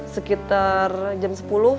sekitar jam sepuluh